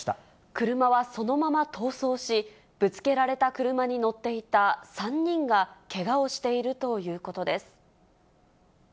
車はそのまま逃走し、ぶつけられた車に乗っていた３人がけがをしているということです。